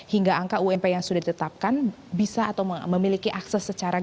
hingga angka ump yang sudah ditetapkan bisa atau memiliki akses secara